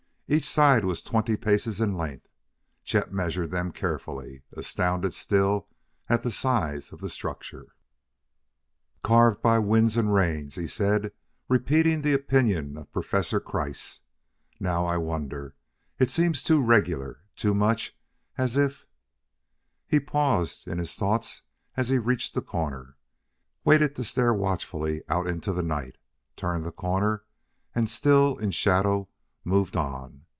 Each side was twenty paces in length; Chet measured them carefully, astounded still at the size of the structure. "Carved by the winds and rains," he said, repeating the opinion of Professor Kreiss. "Now, I wonder.... It seems too regular, too much as if " He paused in his thoughts as he reached the corner; waited to stare watchfully out into the night; turned the corner, and, still in shadow, moved on.